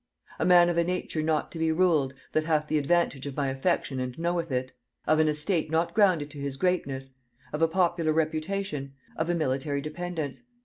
A man of a nature not to be ruled; that hath the advantage of my affection and knoweth it; of an estate not grounded to his greatness; of a popular reputation; of a military dependence.